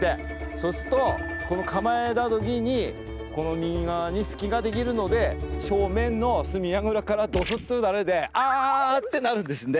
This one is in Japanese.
そうするとこの構えた時にこの右側に隙が出来るので正面の隅櫓からドスッと撃たれてあってなるんですね。